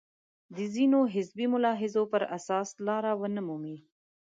د ځینو حزبي ملاحظو پر اساس لاره ونه مومي.